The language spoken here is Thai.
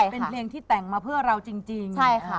เป็นเพลงที่แต่งมาเพื่อเราจริง